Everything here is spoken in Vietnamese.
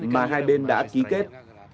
mà hai bên đã đạt được